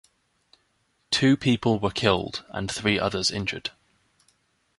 Two people were killed and three others injured.